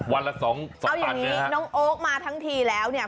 วันละสองสองเอาอย่างนี้น้องโอ๊คมาทั้งทีแล้วเนี่ย